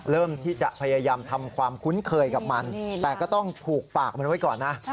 เริ่มที่จะพยายามทำความคุ้นเคยกับมันแต่ก็ต้องผูกปากมันไว้ก่อนนะ